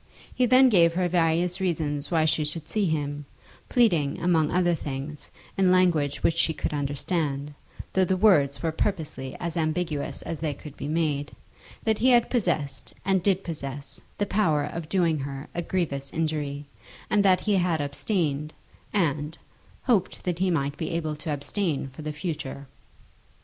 He then gave her various reasons why she should see him, pleading, among other things, in language which she could understand, though the words were purposely as ambiguous as they could be made, that he had possessed and did possess the power of doing her a grievous injury, and that he had abstained, and hoped that he might be able to abstain for the future.